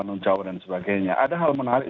non jawa dan sebagainya ada hal menarik